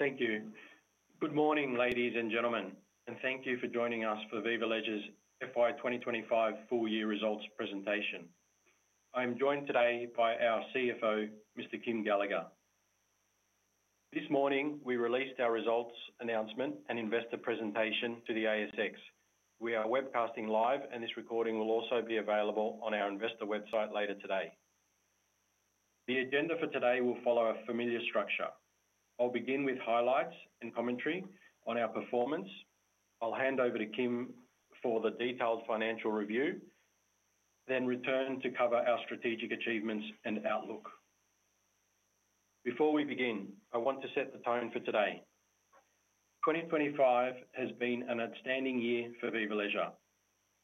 Thank you. Good morning, ladies and gentlemen, and thank you for joining us for Viva Leisure's FY 2025 Full-Year Results Presentation. I am joined today by our CFO, Mr. Kym Gallagher. This morning, we released our results announcement and investor presentation to the ASX. We are webcasting live, and this recording will also be available on our investor website later today. The agenda for today will follow a familiar structure. I'll begin with highlights and commentary on our performance. I'll hand over to Kym for the detailed financial review, then return to cover our strategic achievements and outlook. Before we begin, I want to set the tone for today. 2025 has been an outstanding year for Viva Leisure.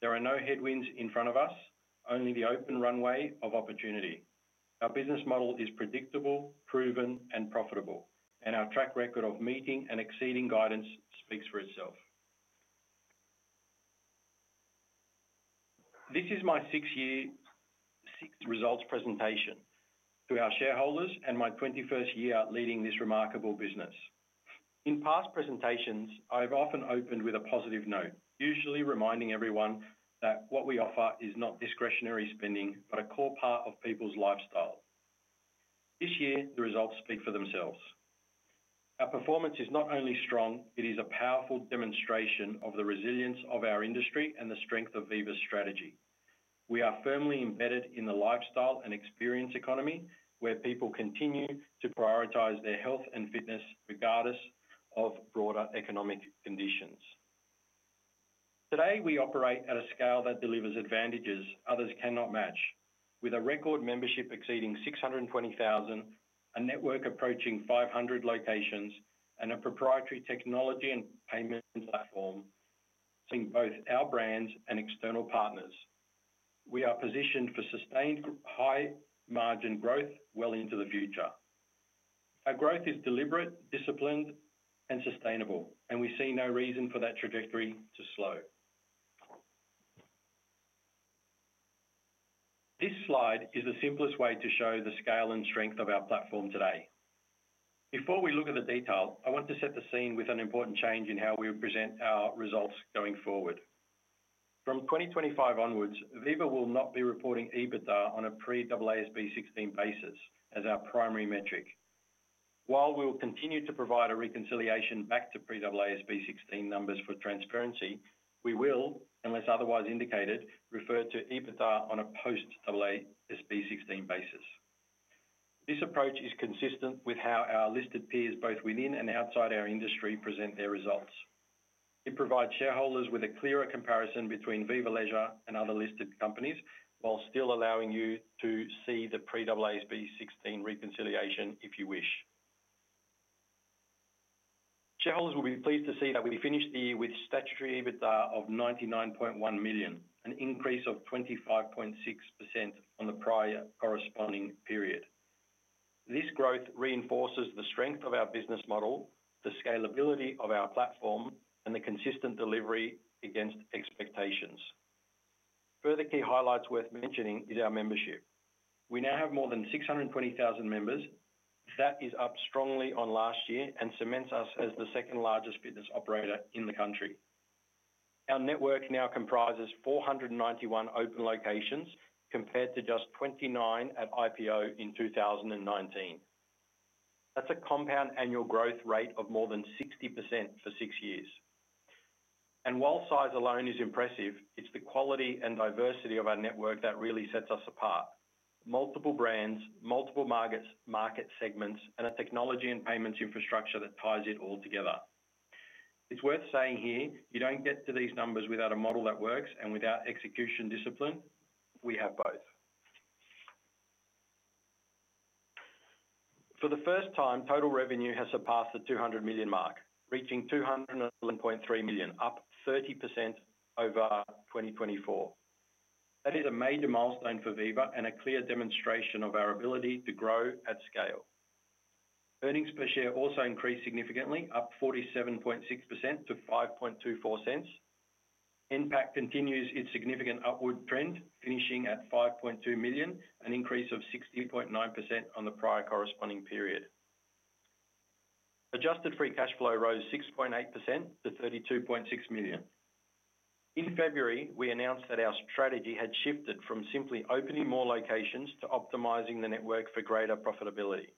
There are no headwinds in front of us, only the open runway of opportunity. Our business model is predictable, proven, and profitable, and our track record of meeting and exceeding guidance speaks for itself. This is my sixth year results presentation to our shareholders and my 21st year leading this remarkable business. In past presentations, I have often opened with a positive note, usually reminding everyone that what we offer is not discretionary spending, but a core part of people's lifestyle. This year, the results speak for themselves. Our performance is not only strong, it is a powerful demonstration of the resilience of our industry and the strength of Viva's strategy. We are firmly embedded in the lifestyle and experience economy, where people continue to prioritize their health and fitness regardless of broader economic conditions. Today, we operate at a scale that delivers advantages others cannot match, with a record membership exceeding 620,000, a network approaching 500 locations, and a proprietary technology and payment platform serving both our brands and external partners. We are positioned for sustained high-margin growth well into the future. Our growth is deliberate, disciplined, and sustainable, and we see no reason for that trajectory to slow. This slide is the simplest way to show the scale and strength of our platform today. Before we look at the detail, I want to set the scene with an important change in how we present our results going forward. From 2025 onwards, Viva will not be reporting EBITDA on a pre-AASB 16 basis as our primary metric. While we will continue to provide a reconciliation back to pre-AASB 16 numbers for transparency, we will, unless otherwise indicated, refer to EBITDA on a post-AASB 16 basis. This approach is consistent with how our listed peers, both within and outside our industry, present their results. It provides shareholders with a clearer comparison between Viva Leisure and other listed companies, while still allowing you to see the pre-AASB 16 reconciliation if you wish. Shareholders will be pleased to see that we finished the year with a statutory EBITDA of AUS 99.1 million, an increase of 25.6% on the prior corresponding period. This growth reinforces the strength of our business model, the scalability of our platform, and the consistent delivery against expectations. Further key highlights worth mentioning are our membership. We now have more than 620,000 members. That is up strongly on last year and cements us as the second largest fitness operator in the country. Our network now comprises 491 open locations, compared to just 29 at IPO in 2019. That's a compound annual growth rate of more than 60% for six years. While size alone is impressive, it's the quality and diversity of our network that really sets us apart. Multiple brands, multiple market segments, and a technology and payments infrastructure that ties it all together. It's worth saying here, you don't get to these numbers without a model that works and without execution discipline. We have both. For the first time, total revenue has surpassed the AUS 200 million mark, reaching AUS 201.3 million, up 30% over 2024. That is a major milestone for Viva and a clear demonstration of our ability to grow at scale. Earnings per share also increased significantly, up 47.6% to AUS 0.0524. NPAC continues its significant upward trend, finishing at AUS 5.2 million, an increase of 60.9% on the prior corresponding period. Adjusted free cash flow rose 6.8% to AUS 32.6 million. In February, we announced that our strategy had shifted from simply opening more locations to optimizing the network for greater profitability.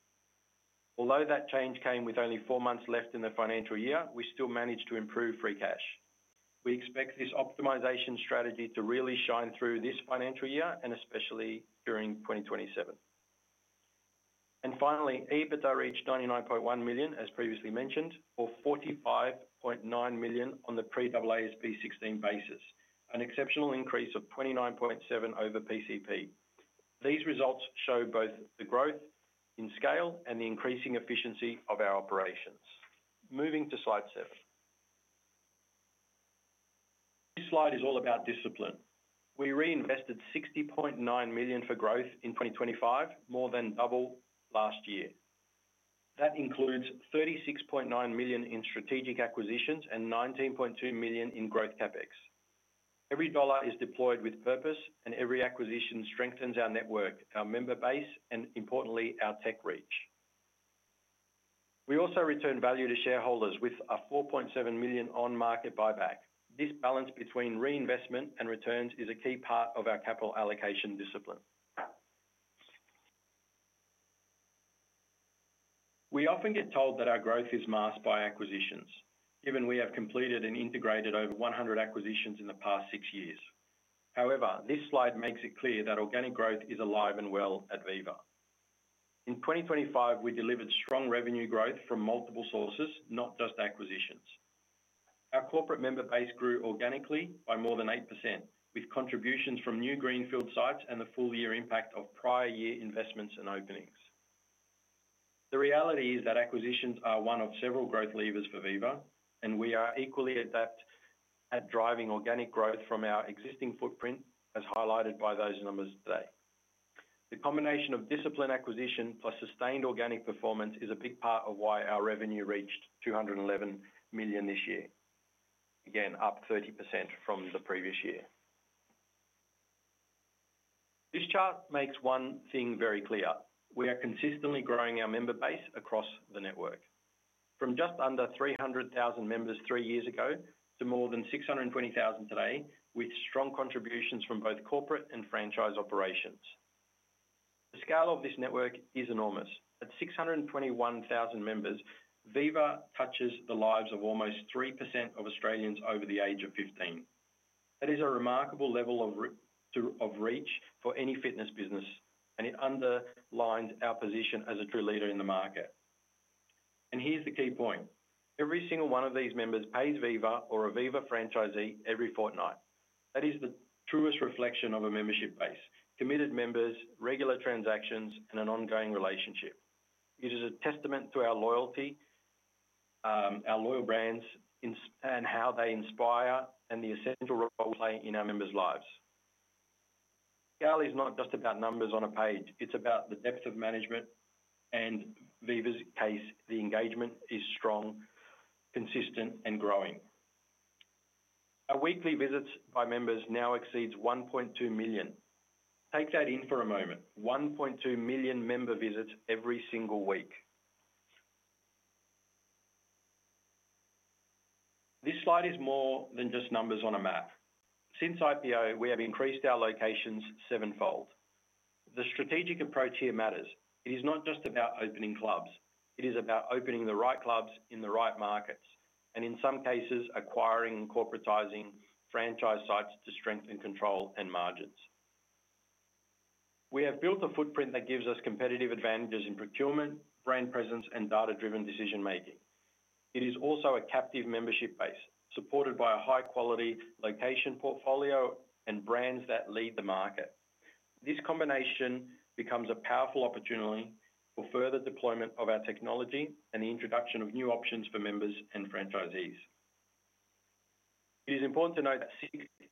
Although that change came with only four months left in the financial year, we still managed to improve free cash. We expect this optimization strategy to really shine through this financial year and especially during 2027. Finally, EBITDA reached AUS 99.1 million, as previously mentioned, or AUS 45.9 million on the pre-AASB 16 basis, an exceptional increase of 29.7% over PCP. These results show both the growth in scale and the increasing efficiency of our operations. Moving to slide seven. This slide is all about discipline. We reinvested AUS 60.9 million for growth in 2025, more than double last year. That includes AUS 36.9 million in strategic acquisitions and AUS 19.2 million in growth CapEx. Every dollar is deployed with purpose, and every acquisition strengthens our network, our member base, and importantly, our tech reach. We also return value to shareholders with a AUS 4.7 million on-market buyback. This balance between reinvestment and returns is a key part of our capital allocation discipline. We often get told that our growth is masked by acquisitions, given we have completed and integrated over 100 acquisitions in the past six years. However, this slide makes it clear that organic growth is alive and well at Viva. In 2025, we delivered strong revenue growth from multiple sources, not just acquisitions. Our corporate member base grew organically by more than 8%, with contributions from new greenfield sites and the full-year impact of prior year investments and openings. The reality is that acquisitions are one of several growth levers for Viva, and we are equally adept at driving organic growth from our existing footprint, as highlighted by those numbers today. The combination of disciplined acquisition plus sustained organic performance is a big part of why our revenue reached AUS 211 million this year, again up 30% from the previous year. This chart makes one thing very clear: we are consistently growing our member base across the network. From just under 300,000 members three years ago to more than 620,000 today, with strong contributions from both corporate and franchise operations. The scale of this network is enormous. At 621,000 members, Viva touches the lives of almost 3% of Australians over the age of 15. That is a remarkable level of reach for any fitness business, and it underlines our position as a true leader in the market. Here is the key point: every single one of these members pays Viva or a Viva franchisee every fortnight. That is the truest reflection of a membership base: committed members, regular transactions, and an ongoing relationship. It is a testament to our loyalty, our loyal brands, and how they inspire and the essential role they play in our members' lives. Scale is not just about numbers on a page; it is about the depth of management. In Viva's case, the engagement is strong, consistent, and growing. Our weekly visits by members now exceed 1.2 million. Take that in for a moment: 1.2 million member visits every single week. This slide is more than just numbers on a map. Since IPO, we have increased our locations sevenfold. The strategic approach here matters. It is not just about opening clubs, it is about opening the right clubs in the right markets, and in some cases, acquiring and corporatizing franchise sites to strengthen control and margins. We have built a footprint that gives us competitive advantages in procurement, brand presence, and data-driven decision-making. It is also a captive membership base, supported by a high-quality location portfolio and brands that lead the market. This combination becomes a powerful opportunity for further deployment of our technology and the introduction of new options for members and franchisees. It is important to note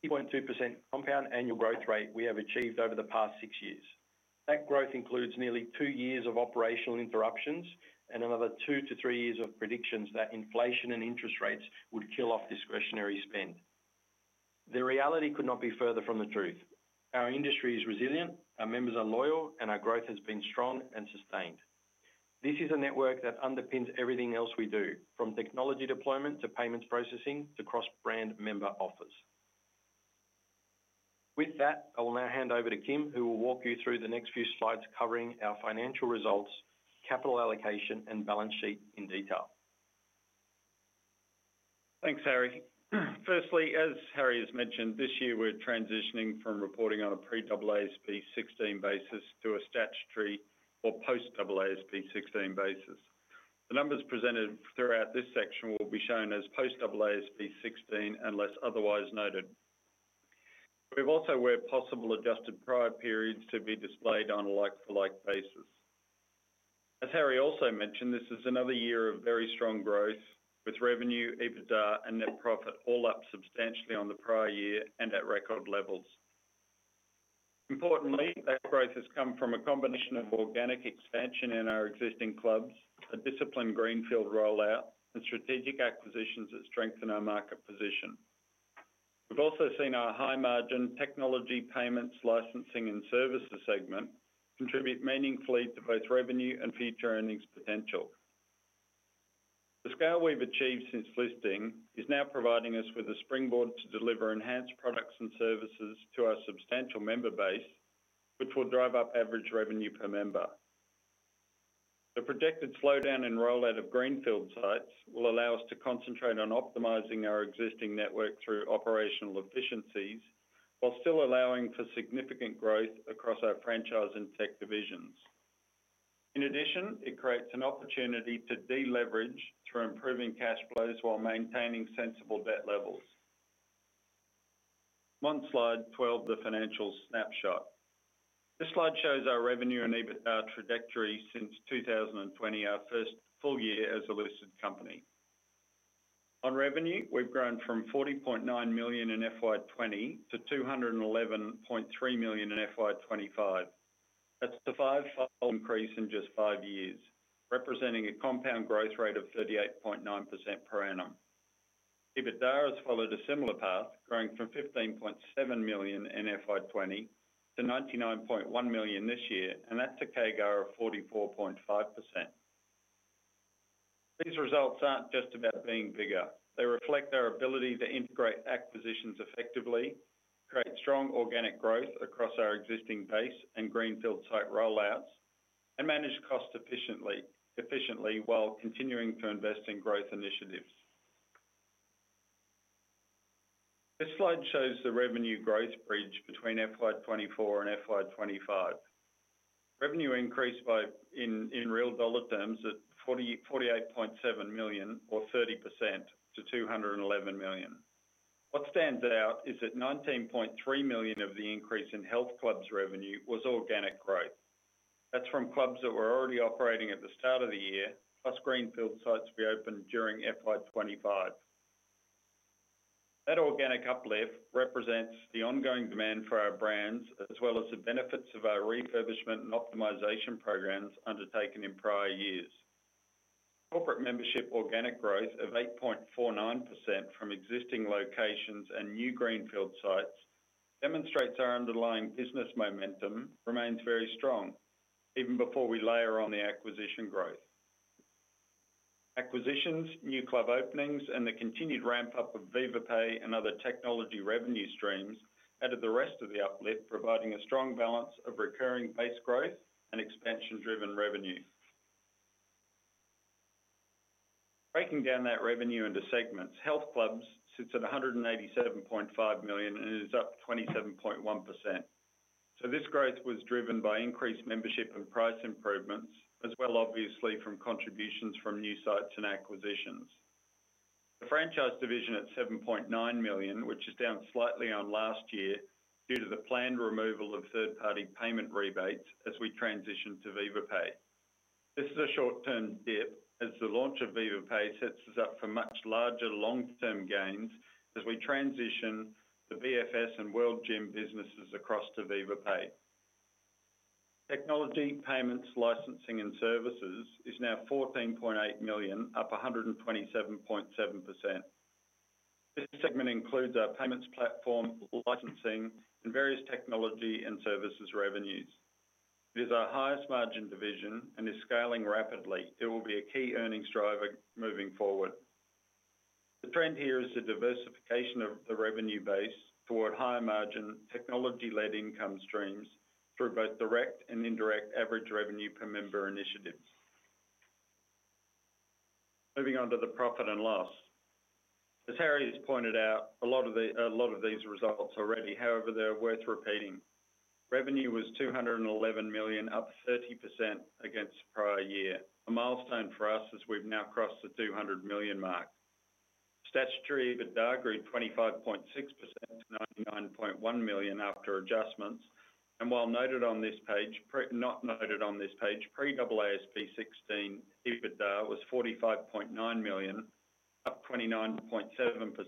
the 60.2% compound annual growth rate we have achieved over the past six years. That growth includes nearly two years of operational interruptions and another two to three years of predictions that inflation and interest rates would kill off discretionary spend. The reality could not be further from the truth. Our industry is resilient, our members are loyal, and our growth has been strong and sustained. This is a network that underpins everything else we do, from technology deployment to payments processing to cross-brand member offers. With that, I will now hand over to Kym, who will walk you through the next few slides covering our financial results, capital allocation, and balance sheet in detail. Thanks, Harry. Firstly, as Harry has mentioned, this year we're transitioning from reporting on a pre-AASB 16 basis to a statutory or post-AASB 16 basis. The numbers presented throughout this section will be shown as post-AASB 16 unless otherwise noted. We've also worked possible adjusted prior periods to be displayed on a like-for-like basis. As Harry also mentioned, this is another year of very strong growth, with revenue, EBITDA, and net profit all up substantially on the prior year and at record levels. Importantly, that growth has come from a combination of organic expansion in our existing clubs, a disciplined greenfield rollout, and strategic acquisitions that strengthen our market position. We've also seen our high-margin technology payments, licensing, and services segment contribute meaningfully to both revenue and future earnings potential. The scale we've achieved since listing is now providing us with a springboard to deliver enhanced products and services to our substantial member base, which will drive up average revenue per member. The projected slowdown in rollout of greenfield sites will allow us to concentrate on optimizing our existing network through operational efficiencies, while still allowing for significant growth across our franchise and tech divisions. In addition, it creates an opportunity to deleverage through improving cash flows while maintaining sensible debt levels. On slide 12 of the financial snapshot. This slide shows our revenue and our trajectory since 2020, our first full year as a listed company. On revenue, we've grown from AUS 40.9 million in FY 2020 to AUS 211.3 million in FY 2025. That's a substantial increase in just five years, representing a compound growth rate of 38.9% per annum. EBITDA has followed a similar path, growing from AUS 15.7 million in FY 2020 to AUS 99.1 million this year, and that's a CAGR of 44.5%. These results aren't just about being bigger; they reflect our ability to integrate acquisitions effectively, create strong organic growth across our existing base and greenfield site rollouts, and manage costs efficiently while continuing to invest in growth initiatives. This slide shows the revenue growth bridge between FY 2024 and FY 2025. Revenue increased in real dollar terms at AUS 48.7 million, or 30% to AUS 11 million. What stands out is that AUS 19.3 million of the increase in health clubs' revenue was organic growth. That's from clubs that were already operating at the start of the year, plus greenfield sites reopened during FY 2025. That organic uplift represents the ongoing demand for our brands, as well as the benefits of our refurbishment and optimization programs undertaken in prior years. Corporate membership organic growth of 8.49% from existing locations and new greenfield sites demonstrates our underlying business momentum remains very strong, even before we layer on the acquisition growth. Acquisitions, new club openings, and the continued ramp-up of Viva Pay and other technology revenue streams add to the rest of the uplift, providing a strong balance of recurring base growth and expansion-driven revenue. Breaking down that revenue into segments, health clubs sits at AUS 187.5 million and is up 27.1%. This growth was driven by increased membership and price improvements, as well, obviously, from contributions from new sites and acquisitions. The franchise division at AUS 7.9 million, which is down slightly on last year due to the planned removal of third-party payment rebates as we transition to Viva Pay. This is a short-term dip as the launch of Viva Pay sets us up for much larger long-term gains as we transition the BFS and World Gym Australia businesses across to Viva Pay. Technology, payments, licensing, and services is now AUS 14.8 million, up 127.7%. This segment includes our payments platform, licensing, and various technology and services revenues. It is our highest margin division and is scaling rapidly. It will be a key earnings driver moving forward. The trend here is the diversification of the revenue base toward higher margin technology-led income streams through both direct and indirect average revenue per member initiatives. Moving on to the profit and loss. As Harry has pointed out, a lot of these results already, however, they're worth repeating. Revenue was AUS 211 million, up 30% against the prior year, a milestone for us as we've now crossed the AUS 200 million mark. Statutory EBITDA grew 25.6% to AUS 99.1 million after adjustments, and while noted on this page, not noted on this page, pre-AASB 16 EBITDA was AUS 45.9 million, up 29.7%.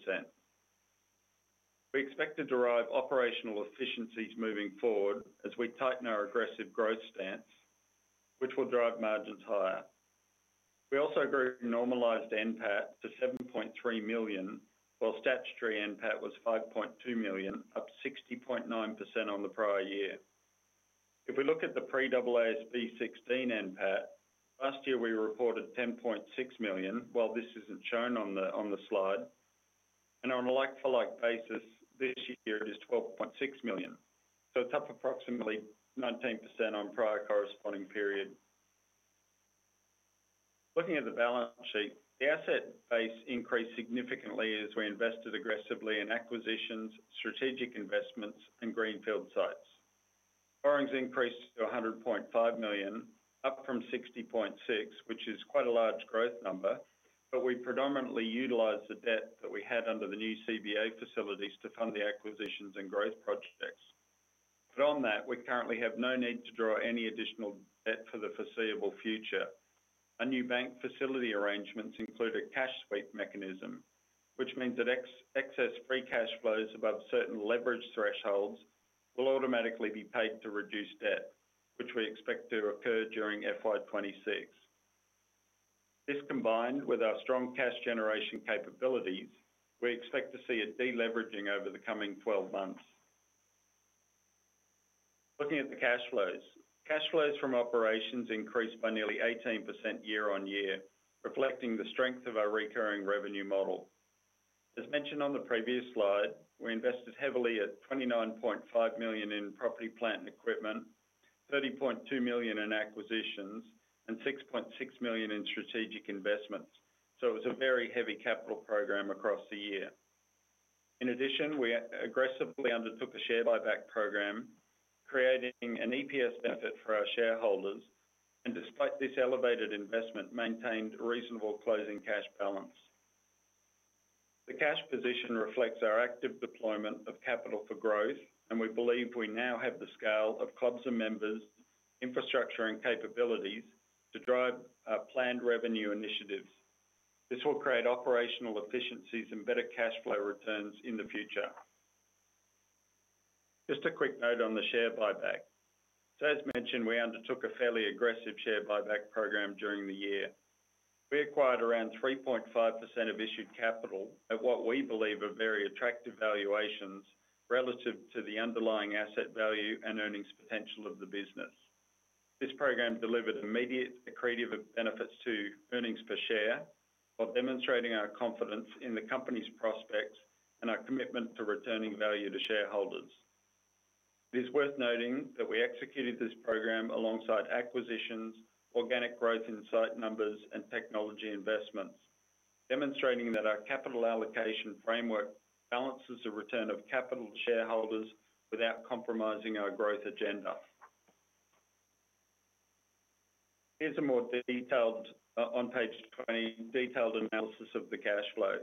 We expect to derive operational efficiencies moving forward as we tighten our aggressive growth stance, which will drive margins higher. We also grew normalized NPAT to AUS 7.3 million, while statutory NPAT was AUS 5.2 million, up 60.9% on the prior year. If we look at the pre-AASB 16 NPAT, last year we reported AUS 10.6 million, while this isn't shown on the slide, and on a like-for-like basis, this year it is AUS 12.6 million. It's up approximately 19% on prior corresponding period. Looking at the balance sheet, the asset base increased significantly as we invested aggressively in acquisitions, strategic investments, and greenfield sites. Borrowings increased to AUS 100.5 million, up from AUS 60.6 million, which is quite a large growth number, but we predominantly utilized the debt that we had under the new CBA facilities to fund the acquisitions and growth projects. On that, we currently have no need to draw any additional debt for the foreseeable future. Our new bank facility arrangements include a cash sweep mechanism, which means that excess free cash flows above certain leverage thresholds will automatically be paid to reduce debt, which we expect to occur during FY 2026. This, combined with our strong cash generation capabilities, means we expect to see a deleveraging over the coming 12 months. Looking at the cash flows, cash flows from operations increased by nearly 18% year-on-year, reflecting the strength of our recurring revenue model. As mentioned on the previous slide, we invested heavily at AUS 29.5 million in property, plant, and equipment, AUS 30.2 million in acquisitions, and AUS 6.6 million in strategic investments. It was a very heavy capital program across the year. In addition, we aggressively undertook a share buyback program, creating an EPS benefit for our shareholders, and despite this elevated investment, maintained a reasonable closing cash balance. The cash position reflects our active deployment of capital for growth, and we believe we now have the scale of clubs and members, infrastructure, and capabilities to drive our planned revenue initiatives. This will create operational efficiencies and better cash flow returns in the future. Just a quick note on the share buyback. As mentioned, we undertook a fairly aggressive share buyback program during the year. We acquired around 3.5% of issued capital at what we believe are very attractive valuations relative to the underlying asset value and earnings potential of the business. This program delivered immediate accretive benefits to earnings per share, while demonstrating our confidence in the company's prospects and our commitment to returning value to shareholders. It is worth noting that we executed this program alongside acquisitions, organic growth in site numbers, and technology investments, demonstrating that our capital allocation framework balances the return of capital to shareholders without compromising our growth agenda. Here's a more detailed, on page 20, detailed analysis of the cash flow.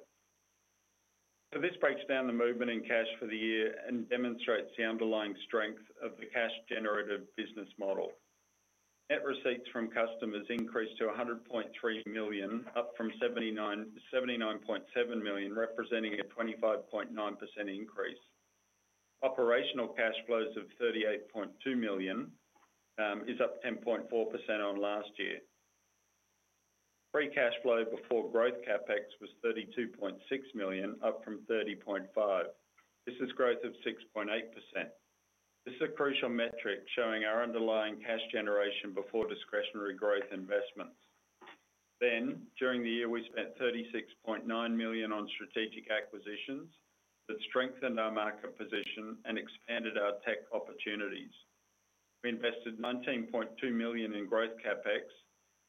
This breaks down the movement in cash for the year and demonstrates the underlying strength of the cash-generated business model. Net receipts from customers increased to AUS 100.3 million, up from AUS 79.7 million, representing a 25.9% increase. Operational cash flows of AUS 38.2 million is up 10.4% on last year. Free cash flow before growth CapEx was AUS 32.6 million, up from AUS 30.5 million. This is growth of 6.8%. This is a crucial metric showing our underlying cash generation before discretionary growth investments. During the year, we spent AUS 36.9 million on strategic acquisitions that strengthened our market position and expanded our tech opportunities. We invested AUS 19.2 million in growth CapEx,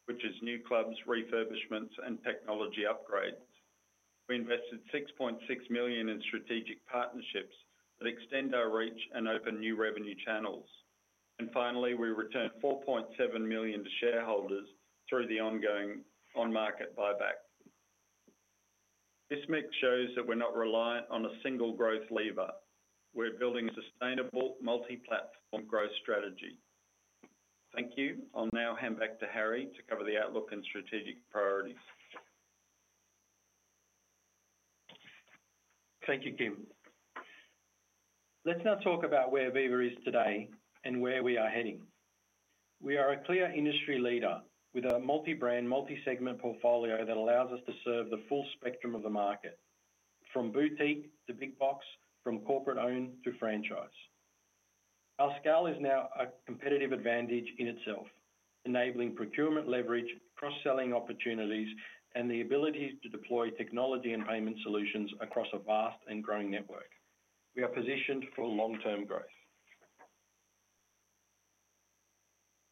which is new clubs, refurbishments, and technology upgrades. We invested AUS 6.6 million in strategic partnerships that extend our reach and open new revenue channels. Finally, we returned AUS 4.7 million to shareholders through the ongoing on-market buyback. This mix shows that we're not reliant on a single growth lever. We're building a sustainable, multi-platform growth strategy. Thank you. I'll now hand back to Harry to cover the outlook and strategic priorities. Thank you, Kym. Let's now talk about where Viva is today and where we are heading. We are a clear industry leader with a multi-brand, multi-segment portfolio that allows us to serve the full spectrum of the market, from boutique to big box, from corporate-owned to franchise. Our scale is now a competitive advantage in itself, enabling procurement leverage, cross-selling opportunities, and the ability to deploy technology and payment solutions across a vast and growing network. We are positioned for long-term growth.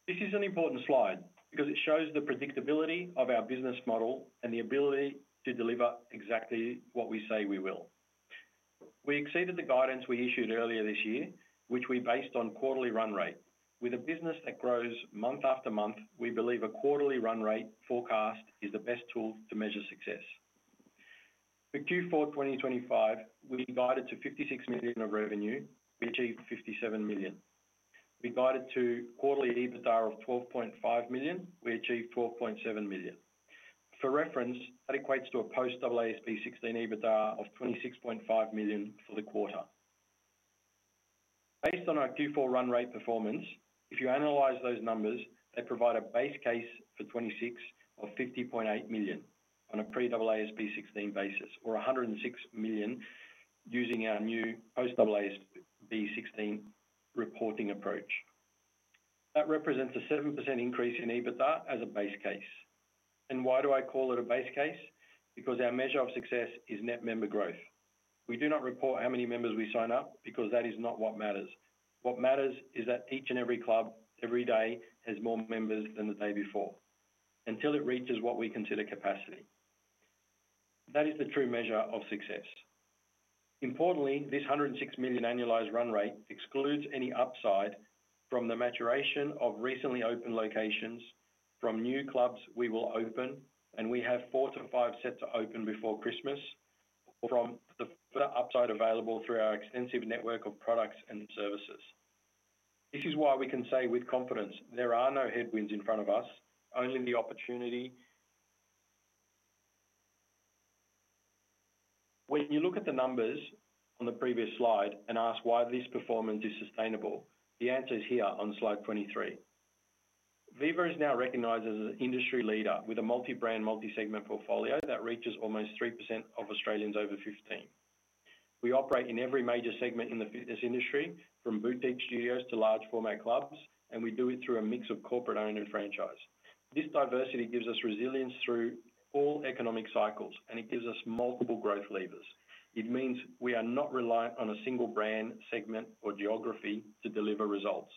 This is an important slide because it shows the predictability of our business model and the ability to deliver exactly what we say we will. We exceeded the guidance we issued earlier this year, which we based on quarterly run rate. With a business that grows month after month, we believe a quarterly run rate forecast is the best tool to measure success. For Q4 2025, we guided to AUS 56 million of revenue. We achieved AUS 57 million. We guided to quarterly EBITDA of AUS 12.5 million. We achieved AUS 12.7 million. For reference, that equates to a post-AASB 16 EBITDA of AUS 26.5 million for the quarter. Based on our Q4 run rate performance, if you analyze those numbers, they provide a base case for 2026 of AUS 50.8 million on aPlus Fitness pre-AASB 16 basis, or AUS 106 million using our new post-AASB 16 reporting approach. That represents a 7% increase in EBITDA as a base case. Why do I call it a base case? Because our measure of success is net member growth. We do not report how many members we sign up because that is not what matters. What matters is that each and every club every day has more members than the day before, until it reaches what we consider capacity. That is the true measure of success. Importantly, this AUS 106 million annualized run rate excludes any upside from the maturation of recently opened locations, from new clubs we will open, and we have four to five set to open before Christmas, or from the upside available through our extensive network of products and services. This is why we can say with confidence there are no headwinds in front of us, only the opportunity. When you look at the numbers on the previous slide and ask why this performance is sustainable, the answer is here on slide 23. Viva is now recognized as an industry leader with a multi-brand, multi-segment portfolio that reaches almost 3% of Australians over 15. We operate in every major segment in the fitness industry, from boutique studios to large format clubs, and we do it through a mix of corporate-owned and franchise. This diversity gives us resilience through all economic cycles, and it gives us multiple growth levers. It means we are not reliant on a single brand, segment, or geography to deliver results.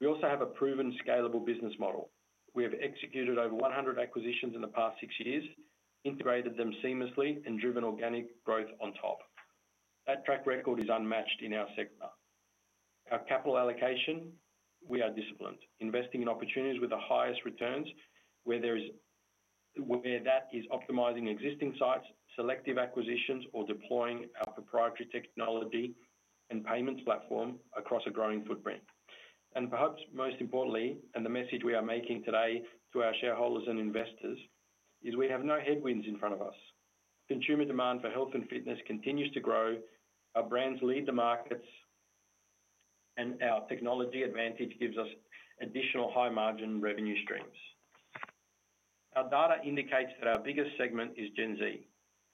We also have a proven scalable business model. We have executed over 100 acquisitions in the past six years, integrated them seamlessly, and driven organic growth on top. That track record is unmatched in our sector. Our capital allocation, we are disciplined, investing in opportunities with the highest returns, whether that is optimizing existing sites, selective acquisitions, or deploying our proprietary technology and payments platform across a growing footprint. Perhaps most importantly, and the message we are making today to our shareholders and investors, is we have no headwinds in front of us. Consumer demand for health and fitness continues to grow. Our brands lead the markets, and our technology advantage gives us additional high-margin revenue streams. Our data indicates that our biggest segment is Gen Z,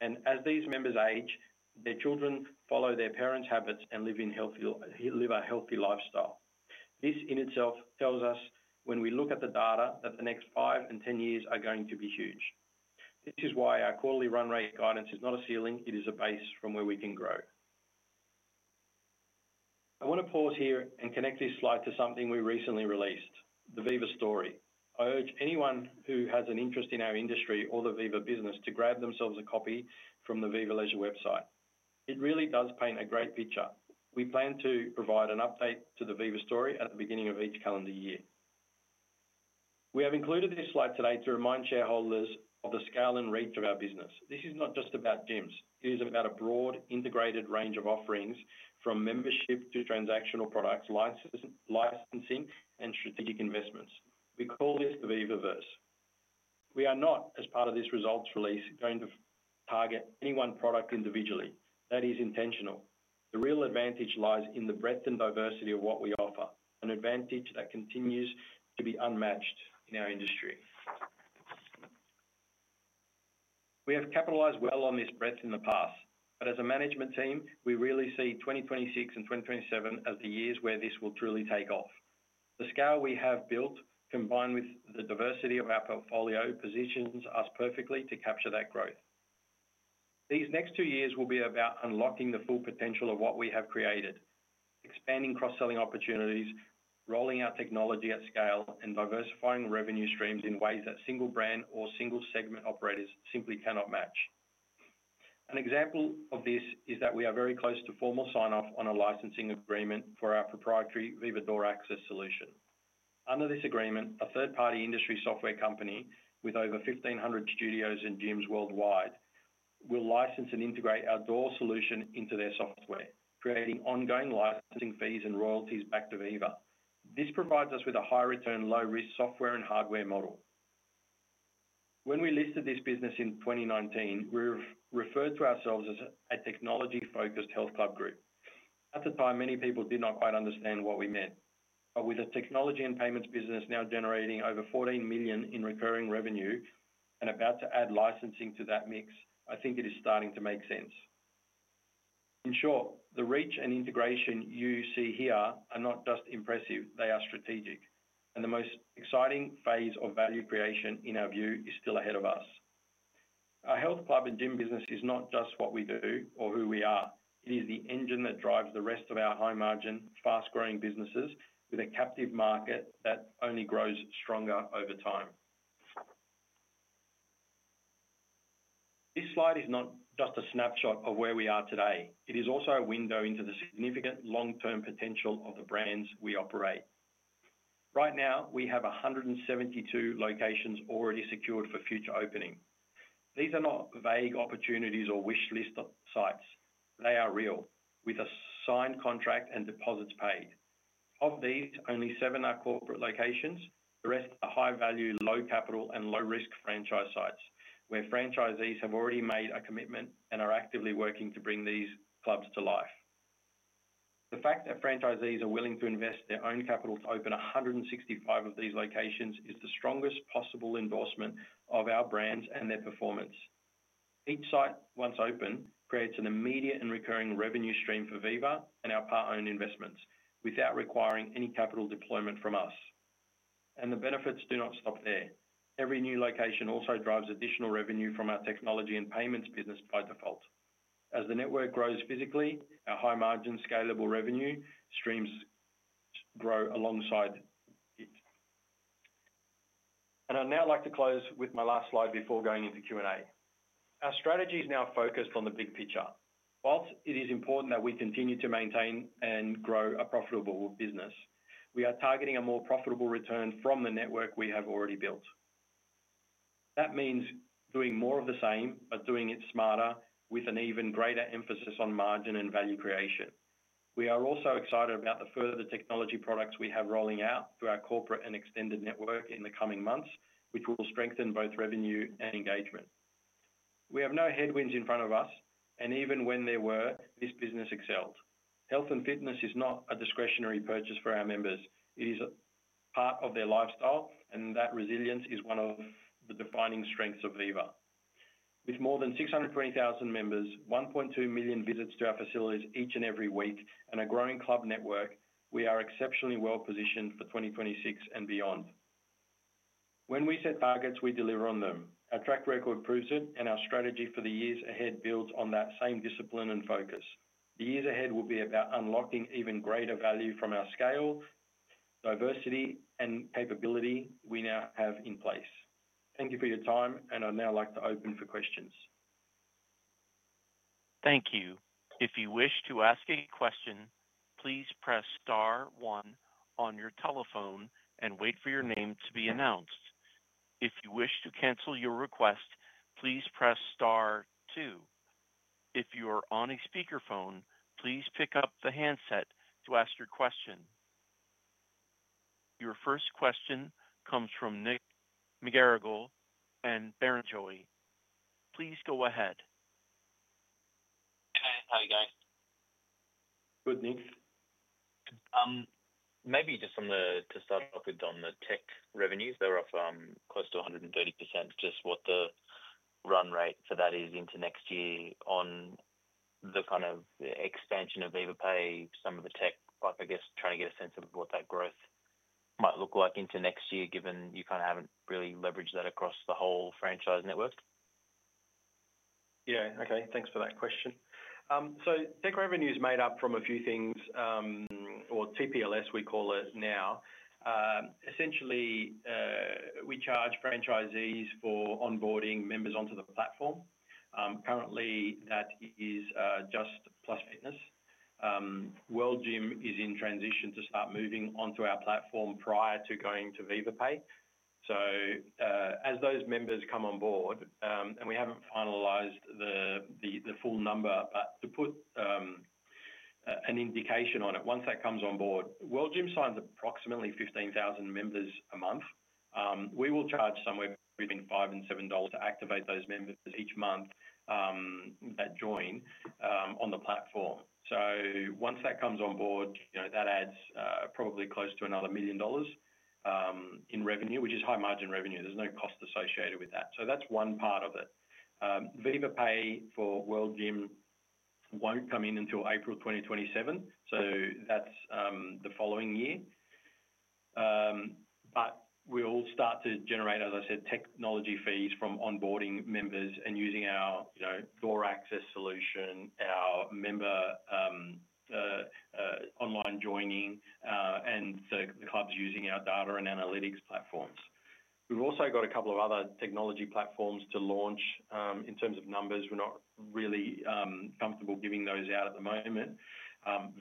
and as these members age, their children follow their parents' habits and live a healthy lifestyle. This in itself tells us, when we look at the data, that the next five and ten years are going to be huge. This is why our quarterly run rate guidance is not a ceiling, it is a base from where we can grow. I want to pause here and connect this slide to something we recently released, the Viva story. I urge anyone who has an interest in our industry or the Viva business to grab themselves a copy from the Viva Leisure website. It really does paint a great picture. We plan to provide an update to the Viva story at the beginning of each calendar year. We have included this slide today to remind shareholders of the scale and reach of our business. This is not just about gyms. It is about a broad, integrated range of offerings, from membership to transactional products, licensing, and strategic investments. We call this the Vivaverse. We are not, as part of this results release, going to target any one product individually. That is intentional. The real advantage lies in the breadth and diversity of what we offer, an advantage that continues to be unmatched in our industry. We have capitalized well on this breadth in the past, but as a management team, we really see 2026 and 2027 as the years where this will truly take off. The scale we have built, combined with the diversity of our portfolio, positions us perfectly to capture that growth. These next two years will be about unlocking the full potential of what we have created, expanding cross-selling opportunities, rolling our technology at scale, and diversifying revenue streams in ways that single brand or single segment operators simply cannot match. An example of this is that we are very close to formal sign-off on a licensing agreement for our proprietary Viva Door Access solution. Under this agreement, a third-party industry software company with over 1,500 studios and gyms worldwide will license and integrate our door solution into their software, creating ongoing licensing fees and royalties back to Viva. This provides us with a high-return, low-risk software and hardware model. When we listed this business in 2019, we referred to ourselves as a technology-focused health club group. At the time, many people did not quite understand what we meant. With a technology and payments business now generating over AUS 14 million in recurring revenue and about to add licensing to that mix, I think it is starting to make sense. In short, the reach and integration you see here are not just impressive; they are strategic. The most exciting phase of value creation, in our view, is still ahead of us. Our health club and gym business is not just what we do or who we are. It is the engine that drives the rest of our high-margin, fast-growing businesses with a captive market that only grows stronger over time. This slide is not just a snapshot of where we are today. It is also a window into the significant long-term potential of the brands we operate. Right now, we have 172 locations already secured for future opening. These are not vague opportunities or wishlist sites. They are real, with a signed contract and deposits paid. Of these, only seven are corporate locations. The rest are high-value, low-capital, and low-risk franchise sites where franchisees have already made a commitment and are actively working to bring these clubs to life. The fact that franchisees are willing to invest their own capital to open 165 of these locations is the strongest possible endorsement of our brands and their performance. Each site, once open, creates an immediate and recurring revenue stream for Viva and our part-owned investments without requiring any capital deployment from us. The benefits do not stop there. Every new location also drives additional revenue from our technology and payments business by default. As the network grows physically, our high-margin, scalable revenue streams grow alongside it. I'd now like to close with my last slide before going into Q&A. Our strategy is now focused on the big picture. Whilst it is important that we continue to maintain and grow a profitable business, we are targeting a more profitable return from the network we have already built. That means doing more of the same, but doing it smarter with an even greater emphasis on margin and value creation. We are also excited about the further technology products we have rolling out to our corporate and extended network in the coming months, which will strengthen both revenue and engagement. We have no headwinds in front of us, and even when there were, this business excelled. Health and fitness is not a discretionary purchase for our members. It is part of their lifestyle, and that resilience is one of the defining strengths of Viva. With more than 620,000 members, AUS 1.2 million visits to our facilities each and every week, and a growing club network, we are exceptionally well positioned for 2026 and beyond. When we set targets, we deliver on them. Our track record proves it, and our strategy for the years ahead builds on that same discipline and focus. The years ahead will be about unlocking even greater value from our scale, diversity, and capability we now have in place. Thank you for your time, and I'd now like to open for questions. Thank you. If you wish to ask a question, please press star one on your telephone and wait for your name to be announced. If you wish to cancel your request, please press star two. If you are on a speakerphone, please pick up the handset to ask your question. Your first question comes from Nick McGarrigle at Barrenjoey. Please go ahead. Hi, guys. Good news. Maybe just to start off with on the tech revenues, they're off close to 130%. Just what the run rate for that is into next year on the kind of expansion of Viva Pay, some of the tech, I guess, trying to get a sense of what that growth might look like into next year, given you kind of haven't really leveraged that across the whole franchise network. Yeah, okay. Thanks for that question. Tech revenue is made up from a few things, or TPLS we call it now. Essentially, we charge franchisees for onboarding members onto the platform. Currently, that is just Plus Fitness. World Gym Australia is in transition to start moving onto our platform prior to going to Viva Pay. As those members come on board, and we haven't finalized the full number, to put an indication on it, once that comes on board, World Gym Australia signs approximately 15,000 members a month. We will charge somewhere between AUS 5-AUS 7 to activate those members each month that join on the platform. Once that comes on board, that adds probably close to another AUS 1 million in revenue, which is high-margin revenue. There's no cost associated with that. That's one part of it. Viva Pay for World Gym Australia won't come in until April 2027, so that's the following year. We'll start to generate, as I said, technology fees from onboarding members and using our door access systems, our member online joining, and the clubs using our data and analytics platforms. We've also got a couple of other technology platforms to launch. In terms of numbers, we're not really comfortable giving those out at the moment.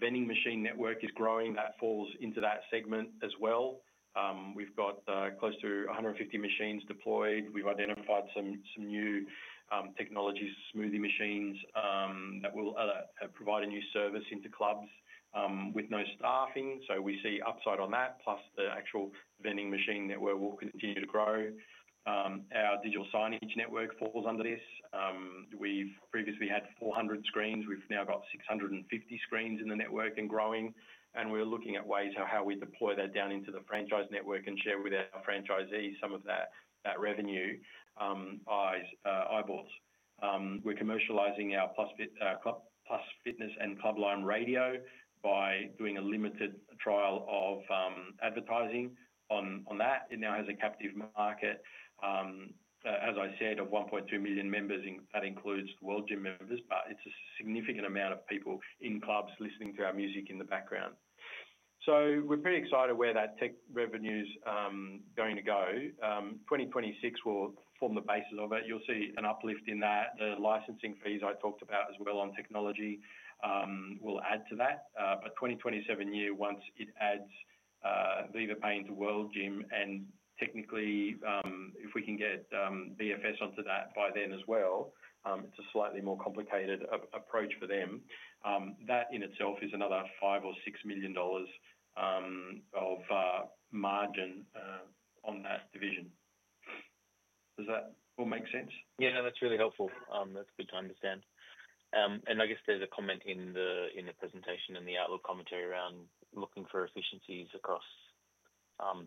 Vending machine network is growing. That falls into that segment as well. We've got close to 150 machines deployed. We've identified some new technologies, smoothie machines that will provide a new service into clubs with no staffing. We see upside on that, plus the actual vending machine network will continue to grow. Our digital signage network falls under this. We've previously had 400 screens. We've now got 650 screens in the network and growing. We're looking at ways how we deploy that down into the franchise network and share with our franchisees some of that revenue by eyeballs. We're commercializing our Plus Fitness and Club Lime radio by doing a limited trial of advertising on that. It now has a captive market, as I said, of 1.2 million members. That includes the World Gym Australia members, but it's a significant amount of people in clubs listening to our music in the background. We're pretty excited where that tech revenue is going to go. 2026 will form the basis of it. You'll see an uplift in that. The licensing fees I talked about as well on technology will add to that. The 2027 year, once it adds Viva Pay into World Gym Australia, and technically, if we can get BFS onto that by then as well, it's a slightly more complicated approach for them. That in itself is another AUS 5 million-AUS 6 million of margin on that division. Does that all make sense? Yeah, that's really helpful. That's good to understand. I guess there's a comment in the presentation and the outlook commentary around looking for efficiencies across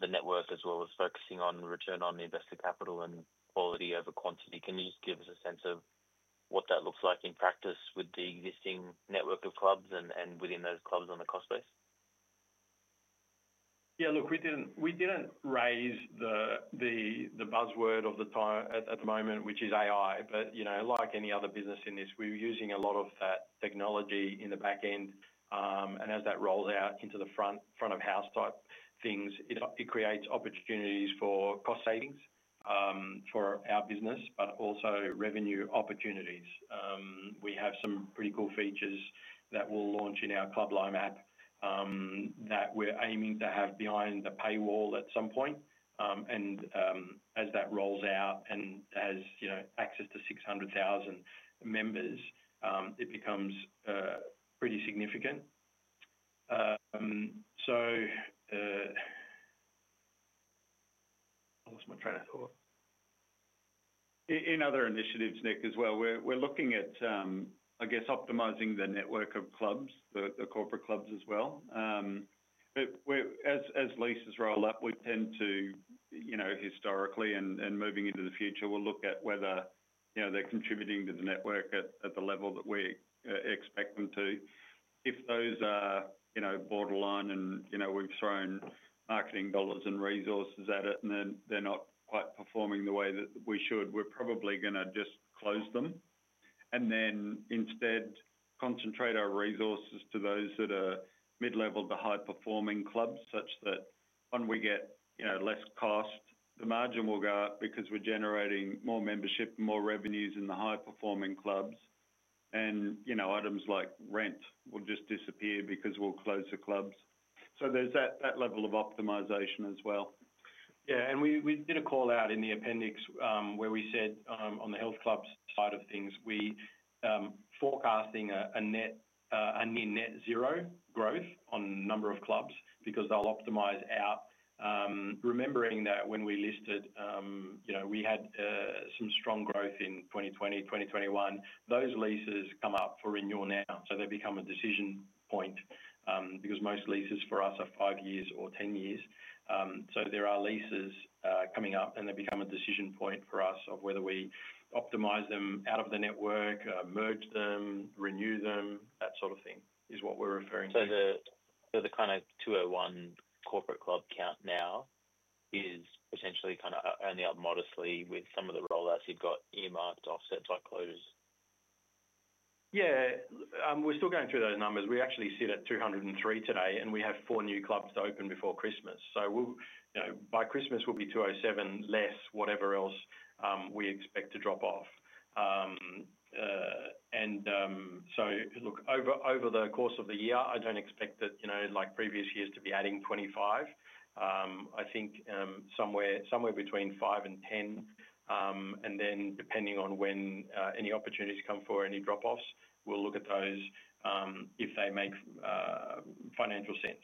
the network as well as focusing on the return on investor capital and quality over quantity. Can you just give us a sense of what that looks like in practice with the existing network of clubs and within those clubs on the cost base? Yeah, look, we didn't raise the buzzword of the time at the moment, which is AI, but you know, like any other business in this, we're using a lot of that technology in the back end. As that rolls out into the front-of-house type things, it creates opportunities for cost savings for our business, but also revenue opportunities. We have some pretty cool features that we'll launch in our Club Lime app that we're aiming to have behind the paywall at some point. As that rolls out and has, you know, access to 600,000 members, it becomes pretty significant. I lost my train of thought. In other initiatives, Nick, as well, we're looking at, I guess, optimizing the network of clubs, the corporate clubs as well. As leases roll up, we tend to, you know, historically and moving into the future, we'll look at whether, you know, they're contributing to the network at the level that we expect them to. If those are borderline and we've thrown marketing dollars and resources at it and they're not quite performing the way that we should, we're probably going to just close them. Instead, concentrate our resources to those that are mid-level to high-performing clubs, such that when we get less cost, the margin will go up because we're generating more membership and more revenues in the high-performing clubs. Items like rent will just disappear because we'll close the clubs. There's that level of optimization as well. Yeah, we did a call out in the appendix where we said on the health clubs side of things, we're forecasting a near net zero growth on the number of clubs because they'll optimize out. Remembering that when we listed, you know, we had some strong growth in 2020, 2021. Those leases come up for renewal now, so they become a decision point because most leases for us are five years or 10 years. There are leases coming up and they become a decision point for us of whether we optimize them out of the network, merge them, renew them, that sort of thing is what we're referring to. The kind of 201 corporate club count now is potentially kind of only up modestly with some of the rollouts you've got earmarked offset by closures. Yeah, we're still going through those numbers. We actually sit at 203 today, and we have four new clubs to open before Christmas. By Christmas, we'll be 207, less whatever else we expect to drop off. Over the course of the year, I don't expect that, like previous years, to be adding 25. I think somewhere between five and ten, and depending on when any opportunities come for any drop-offs, we'll look at those if they make financial sense.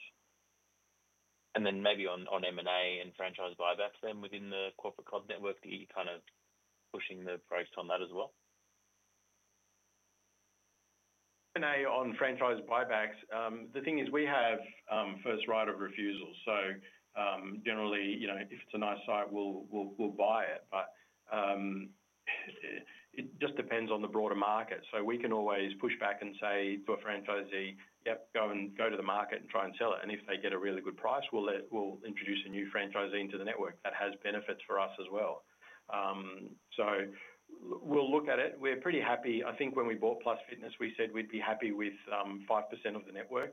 Maybe on M&A and franchise buybacks within the corporate club network, are you kind of pushing the price on that as well? M&A on franchise buybacks, the thing is we have first right of refusal. Generally, if it's a nice site, we'll buy it. It just depends on the broader market. We can always push back and say to a franchisee, yep, go and go to the market and try and sell it. If they get a really good price, we'll introduce a new franchisee into the network. That has benefits for us as well. We'll look at it. We're pretty happy. I think when we bought Plus Fitness, we said we'd be happy with 5% of the network,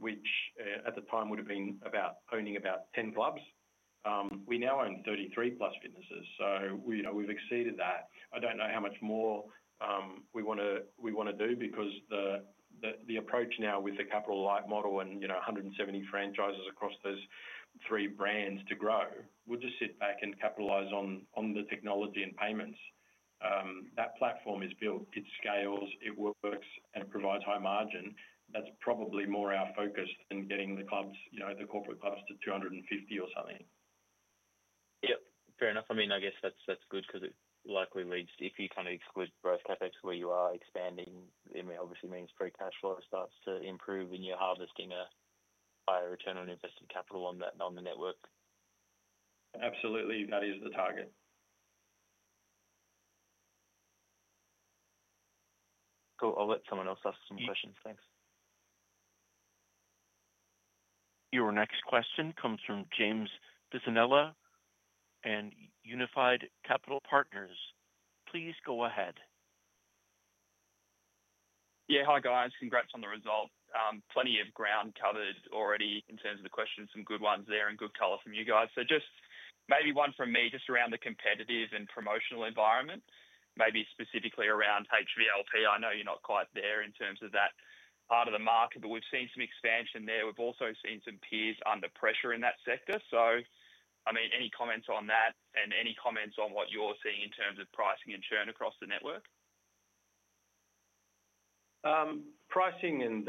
which at the time would have been about owning about 10 clubs. We now own 33 Plus Fitnesses, so we've exceeded that. I don't know how much more we want to do because the approach now with the capital light model and 170 franchises across those three brands to grow, we'll just sit back and capitalize on the technology and payments. That platform is built, it scales, it works, and it provides high margin. That's probably more our focus than getting the clubs, the corporate clubs, to 250 or something. Yep, fair enough. I mean, I guess that's good because it likely leads to, if you kind of exclude growth CapEx where you are expanding, it obviously means free cash flow starts to improve and you're harvesting a higher return on invested capital on that, on the network. Absolutely, that is the target. Cool, I'll let someone else ask some questions. Thanks. Your next question comes from James Bisinella at Unified Capital Partners. Please go ahead. Yeah, hi guys, congrats on the result. Plenty of ground covered already in terms of the questions, some good ones there and good color from you guys. Just maybe one from me, just around the competitive and promotional environment, maybe specifically around HVLP. I know you're not quite there in terms of that part of the market, but we've seen some expansion there. We've also seen some peers under pressure in that sector. I mean, any comments on that and any comments on what you're seeing in terms of pricing and churn across the network? Pricing and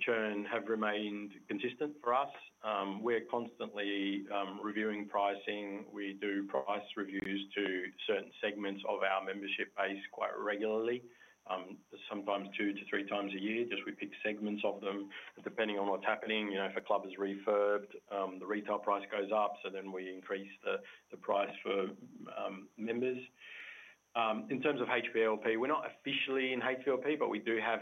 churn have remained consistent for us. We're constantly reviewing pricing. We do price reviews to certain segments of our membership base quite regularly, sometimes 2x-3x a year. We pick segments of them depending on what's happening. If a club is refurbed, the retail price goes up, so then we increase the price for members. In terms of HVLP, we're not officially in HVLP, but we do have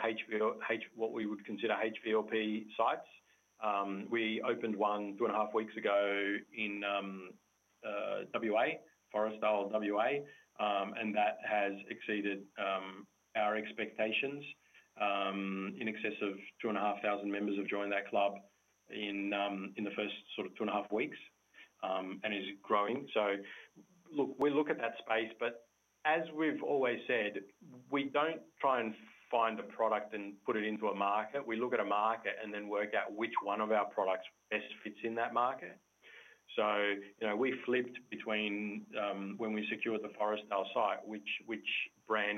what we would consider HVLP sites. We opened one two and a half weeks ago in WA, Forestdale, WA, and that has exceeded our expectations. In excess of 2,500 members have joined that club in the first two and a half weeks and it is growing. We look at that space, but as we've always said, we don't try and find a product and put it into a market. We look at a market and then work out which one of our products best fits in that market. We flipped between when we secured the Forestdale site, which brand,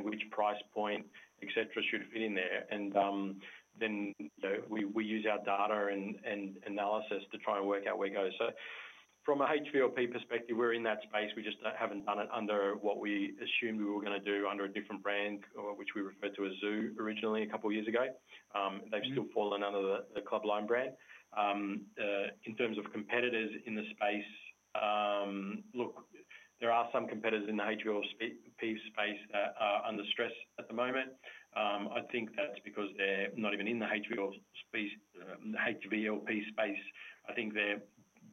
which price point, etc., should fit in there. We use our data and analysis to try and work out where it goes. From an HVLP perspective, we're in that space. We just haven't done it under what we assumed we were going to do under a different brand, which we referred to as Zoo originally a couple of years ago. They've still fallen under the Club Lime brand. In terms of competitors in the space, there are some competitors in the HVLP space that are under stress at the moment. I think that's because they're not even in the HVLP space. I think they're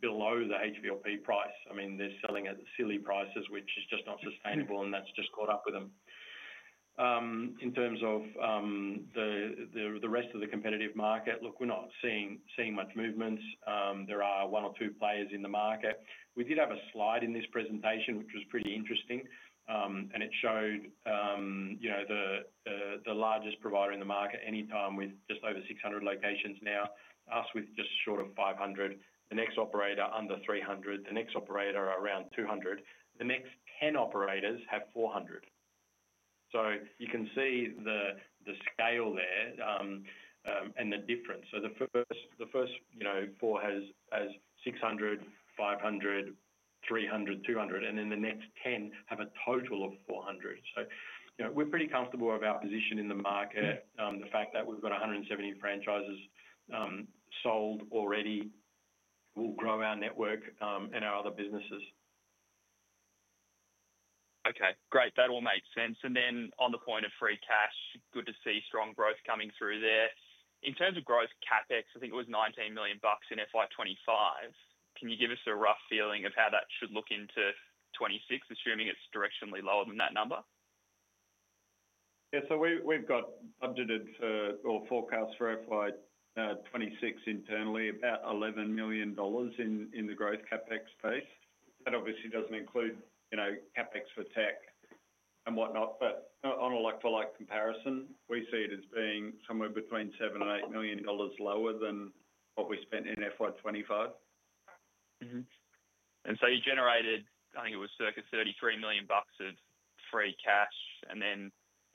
below the HVLP price. They're selling at silly prices, which is just not sustainable, and that's just caught up with them. In terms of the rest of the competitive market, we're not seeing much movement. There are one or two players in the market. We did have a slide in this presentation, which was pretty interesting, and it showed the largest provider in the market, Anytime, with just over 600 locations now, us with just short of 500. The next operator under 300, the next operator around 200, the next 10 operators have 400. You can see the scale there and the difference. The first four has 600, 500, 300, 200, and then the next 10 have a total of 400. We're pretty comfortable about positioning in the market. The fact that we've got 170 franchises sold already will grow our network and our other businesses. Okay, great. That all makes sense. On the point of free cash, good to see strong growth coming through there. In terms of growth CapEx, I think it was AUS 19 million in FY 2025. Can you give us a rough feeling of how that should look into 2026, assuming it's directionally lower than that number? Yeah, we've got budgeted or forecast for FY 2026 internally about AUS 11 million in the growth CapEx space. That obviously doesn't include, you know, CapEx for tech and whatnot. On a like-for-like comparison, we see it as being somewhere between AUS 7 million-AUS 8 million lower than what we spent in FY 2025. You generated, I think it was circa AUS 33 million of free cash.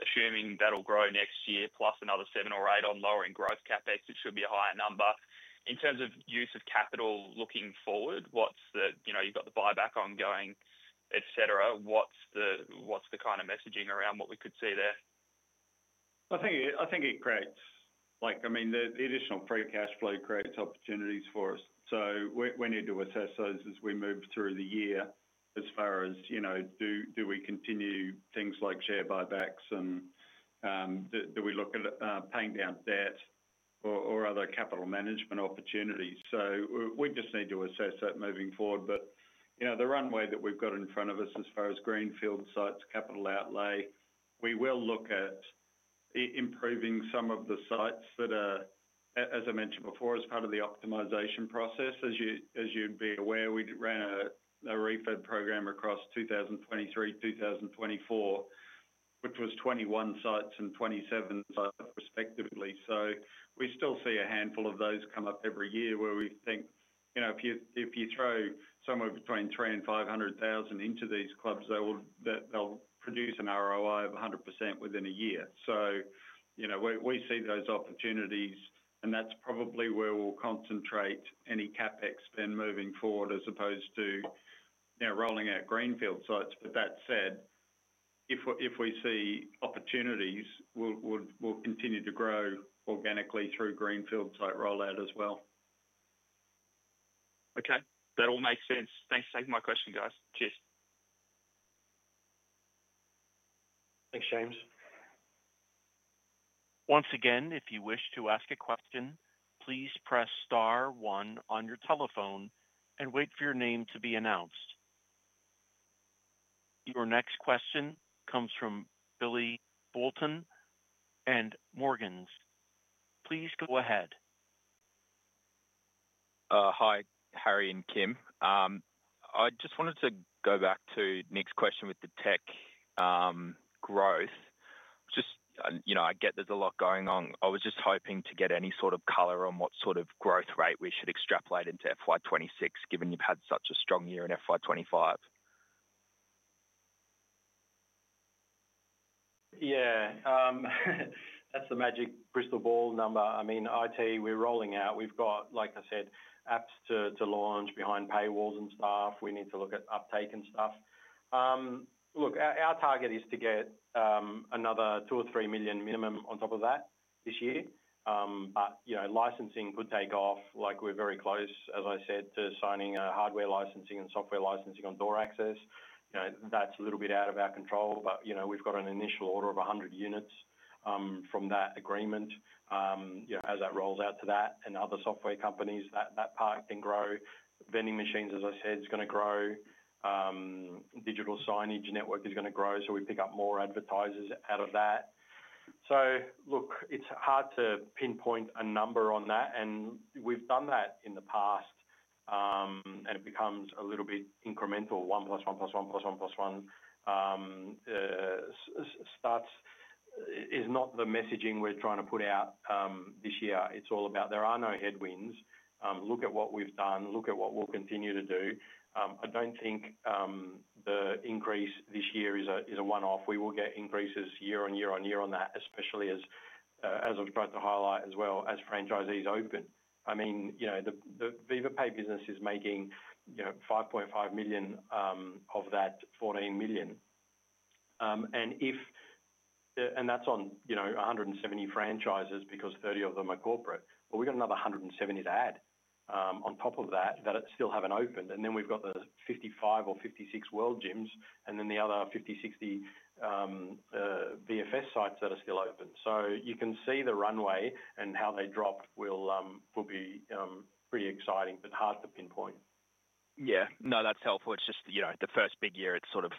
Assuming that'll grow next year, plus another AUS 7 million-AUS 8 million on lowering growth CapEx, it should be a higher number. In terms of use of capital looking forward, what's the, you know, you've got the buyback ongoing, et cetera. What's the kind of messaging around what we could see there? I think it creates, like, I mean, the additional free cash flow creates opportunities for us. We need to assess those as we move through the year as far as, you know, do we continue things like share buybacks and do we look at paying down debt or other capital management opportunities? We just need to assess that moving forward. The runway that we've got in front of us as far as greenfield sites, capital outlay, we will look at improving some of the sites that are, as I mentioned before, as part of the optimization process. As you'd be aware, we ran a refurb program across 2023-2024, which was 21 sites and 27 sites respectively. We still see a handful of those come up every year where we think, you know, if you throw somewhere between AUS 300,000-AUS 500,000 into these clubs, they'll produce an ROI of 100% within a year. We see those opportunities and that's probably where we'll concentrate any CapEx spend moving forward as opposed to now rolling out greenfield sites. That said, if we see opportunities, we'll continue to grow organically through greenfield site rollout as well. Okay, that all makes sense. Thanks for taking my question, guys. Cheers. Thanks, James. Once again, if you wish to ask a question, please press star one on your telephone and wait for your name to be announced. Your next question comes from Billy Boulton at Morgans. Please go ahead. Hi, Harry and Kym. I just wanted to go back to the next question with the tech growth. I get there's a lot going on. I was just hoping to get any sort of color on what sort of growth rate we should extrapolate into FY 2026, given you've had such a strong year in FY 2025. Yeah, that's the magic crystal ball number. I mean, IT, we're rolling out. We've got, like I said, apps to launch behind paywalls and stuff. We need to look at uptake and stuff. Look, our target is to get another AUS 2 million or AUS 3 million minimum on top of that this year. You know, licensing could take off. We're very close, as I said, to signing a hardware licensing and software licensing on door access. That's a little bit out of our control, but we've got an initial order of 100 units from that agreement. As that rolls out to that and other software companies, that part can grow. Vending machines, as I said, is going to grow. Digital signage network is going to grow, so we pick up more advertisers out of that. It's hard to pinpoint a number on that, and we've done that in the past, and it becomes a little bit incremental. One plus one plus one plus one plus one is not the messaging we're trying to put out this year. It's all about there are no headwinds. Look at what we've done. Look at what we'll continue to do. I don't think the increase this year is a one-off. We will get increases year on year on year on that, especially as I've tried to highlight as well as franchisees open. The Viva Pay business is making AUS 5.5 million of that AUS 14 million, and that's on 170 franchises because 30 of them are corporate. We've got another 170 to add on top of that that still haven't opened. Then we've got the 55 or 56 World Gym Australia sites and then the other 50, 60 BFS sites that are still open. You can see the runway and how they drop will be pretty exciting, but hard to pinpoint. Yeah, no, that's helpful. It's just, you know, the first big year, it's sort of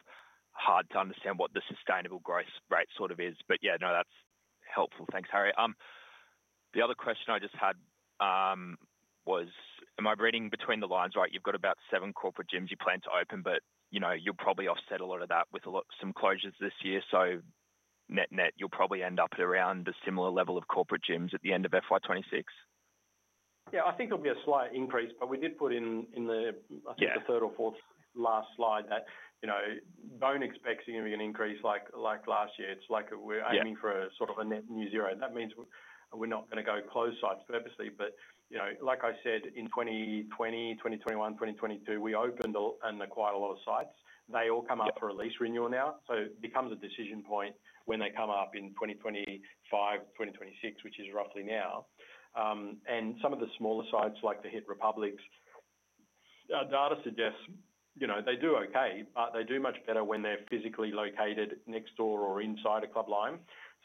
hard to understand what the sustainable growth rate sort of is. Yeah, no, that's helpful. Thanks, Harry. The other question I just had was, am I reading between the lines right? You've got about seven corporate gyms you plan to open, but you'll probably offset a lot of that with a lot of some closures this year. Net net, you'll probably end up at around a similar level of corporate gyms at the end of FY 2026. Yeah, I think there'll be a slight increase, but we did put in the, I think, the third or fourth last slide that, you know, don't expect significant increase like last year. It's like we're aiming for a sort of a net new zero. That means we're not going to go close sites purposely. You know, like I said, in 2020, 2021, 2022, we opened and acquired a lot of sites. They all come up for a lease renewal now. It becomes a decision point when they come up in 2025, 2026, which is roughly now. Some of the smaller sites, like the Hiit Republics, our data suggests, you know, they do okay, but they do much better when they're physically located next door or inside a Club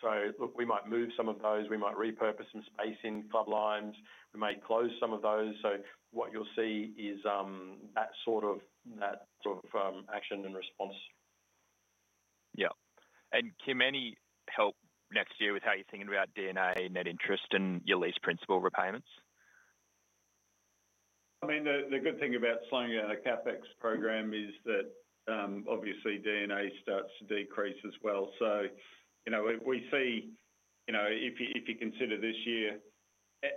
Lime. Look, we might move some of those. We might repurpose some space in Club Limes. We may close some of those. What you'll see is that sort of action and response. Yeah. Kim, any help next year with how you're thinking about DNA and that interest in your lease principal repayments? I mean, the good thing about signing out a CapEx program is that obviously D&A starts to decrease as well. You know, we see, if you consider this year,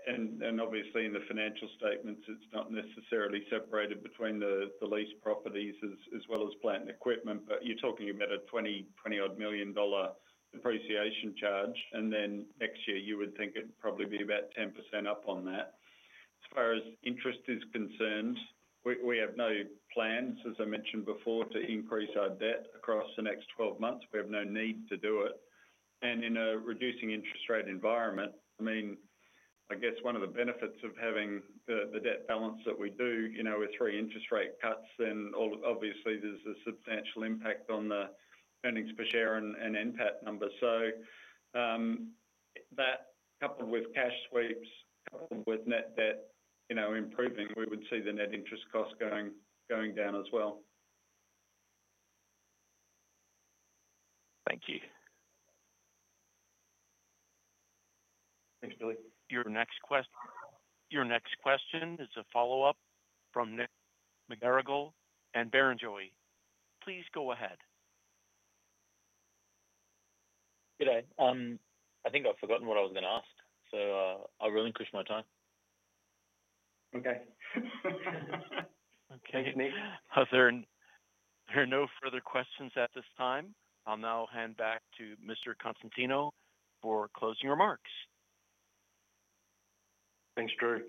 and obviously in the financial statements, it's not necessarily separated between the lease properties as well as plant and equipment, but you're talking about a AUS 20 million appreciation charge. Next year, you would think it'd probably be about 10% up on that. As far as interest is concerned, we have no plans, as I mentioned before, to increase our debt across the next 12 months. We have no need to do it. In a reducing interest rate environment, I guess one of the benefits of having the debt balance that we do, with three interest rate cuts, then obviously there's a substantial impact on the earnings per share and NPAT number. That, coupled with cash sweeps, coupled with net debt improving, we would see the net interest cost going down as well. Thank you. Your next question is a follow-up from Nick McGarrigle at Barrenjoey. Please go ahead. Good day. I think I've forgotten what I was going to ask, so I'll relinquish my time. Okay. Thank you, Nick. There are no further questions at this time. I'll now hand back to Mr. Konstantinou for closing remarks. Thanks, Drew.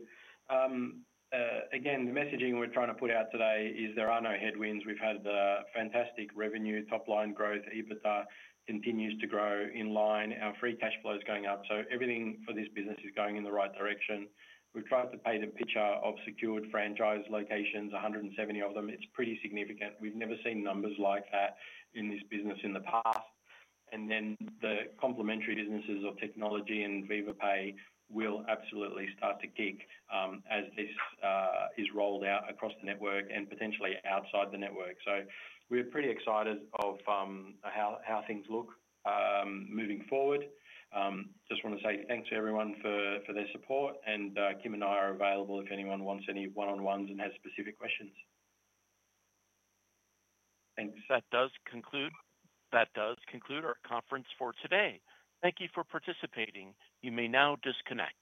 Again, the messaging we're trying to put out today is there are no headwinds. We've had fantastic revenue, top line growth, EBITDA continues to grow in line, our free cash flow is going up. Everything for this business is going in the right direction. We've tried to paint a picture of secured franchise locations, 170 of them. It's pretty significant. We've never seen numbers like that in this business in the past. The complementary businesses of technology and Viva Pay will absolutely start to kick as this is rolled out across the network and potentially outside the network. We're pretty excited of how things look moving forward. Just want to say thanks to everyone for their support, and Kym and I are available if anyone wants any one-on-ones and has specific questions. Thanks. That does conclude our conference for today. Thank you for participating. You may now disconnect.